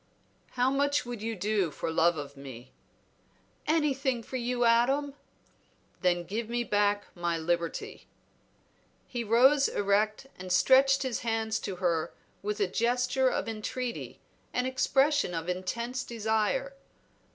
"How much would you do for love of me?" "Anything for you, Adam." "Then give me back my liberty." He rose erect and stretched his hands to her with a gesture of entreaty, an expression of intense desire.